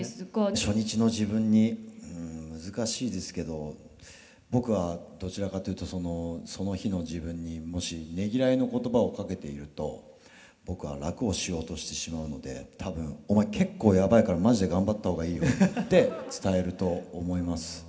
初日の自分にうん難しいですけど僕はどちらかというとその日の自分にもしねぎらいの言葉をかけていると僕は楽をしようとしてしまうので多分「お前結構やばいからマジで頑張った方がいいよ」って伝えると思います。